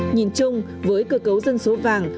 nhìn chung với cơ cấu dân số vàng